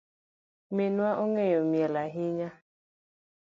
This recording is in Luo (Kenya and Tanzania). Minwa ongeyo miel ahinya.